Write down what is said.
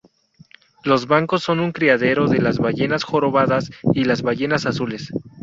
Los bancos son un criadero de las ballenas jorobadas y las ballenas azules.